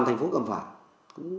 thành phố cầm phản